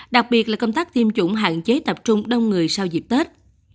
đặc biệt là công tác tiêm chủng hạn chế tập trung đông người sau dịp tết